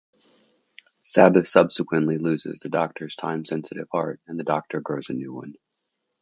Sabbath subsequently loses the Doctor's time-sensitive heart and the Doctor grows a new one.